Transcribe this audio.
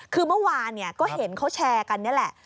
คือเมื่อวานก็เห็นเขาแชร์กันนี่แหละ